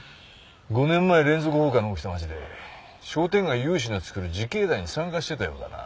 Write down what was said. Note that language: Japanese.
５年前連続放火の起きた町で商店街有志のつくる自警団に参加してたようだな。